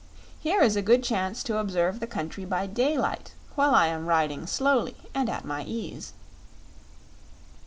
Here is a good chance to observe the country by daylight, while I am riding slowly and at my ease."